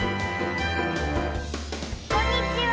こんにちは！